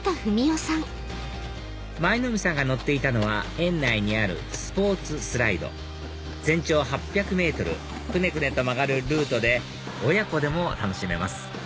舞の海さんが乗っていたのは園内にあるスポーツスライド全長８００ｍくねくねと曲がるルートで親子でも楽しめます